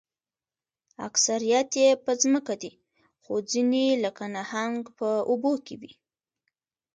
اکثریت یې په ځمکه دي خو ځینې لکه نهنګ په اوبو کې وي